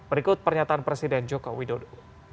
berikut pernyataan presiden joko widodo